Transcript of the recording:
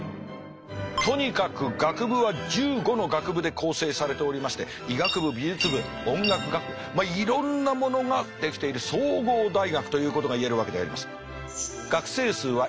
とにかく学部は１５の学部で構成されておりまして医学部美術部音楽学部いろんなものができている総合大学ということがいえるわけであります。